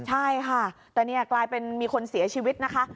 ใช่ค่ะแต่นี่กลายเป็นมีคนเสียชีวิตนะคะ